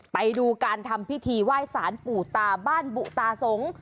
ไปดูการทำพิธีไหว้สารปู่ตาบ้านบุตาสง